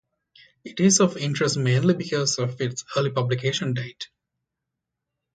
It is of interest mainly because of its early publication date.